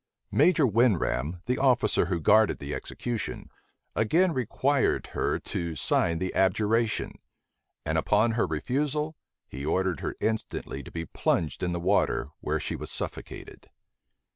Major Winram, the officer who guarded the execution, again required her to sign the abjuration; and upon her refusal, he ordered her instantly to be plunged in the water, where she was suffocated.